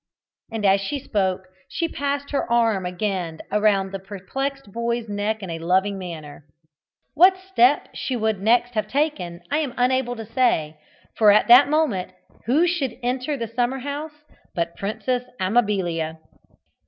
and as she spoke she passed her arm again round the perplexed boy's neck in a loving manner. What step she would next have taken I am unable to say, for at that moment who should enter the summer house but the Princess Amabilia.